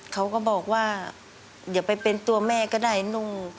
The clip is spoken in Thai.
เขาก็บอกว่าเดี๋ยวไปเป็นตัวแม่ก็ได้ลูก